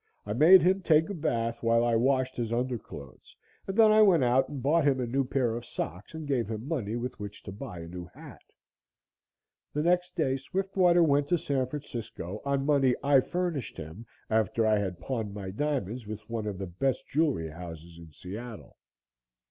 I made him take a bath, while I washed his underclothes, and then I went out and bought him a new pair of socks and gave him money with which to buy a new hat. The next day Swiftwater went to San Francisco on money I furnished him after I had pawned my diamonds with one of the best jewelry houses in Seattle.